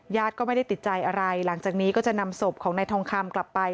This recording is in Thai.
ญาติก็ไม่ได้ติดใจอะไรหลังจากนี้ก็จะนำศพของนายทองคำกลับไป